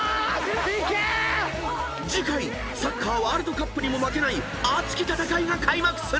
［次回サッカーワールドカップにも負けない熱き戦いが開幕する！］